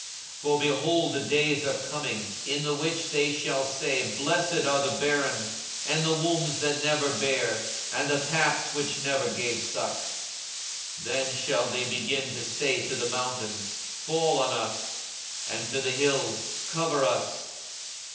42:023:029 For, behold, the days are coming, in the which they shall say, Blessed are the barren, and the wombs that never bare, and the paps which never gave suck. 42:023:030 Then shall they begin to say to the mountains, Fall on us; and to the hills, Cover us.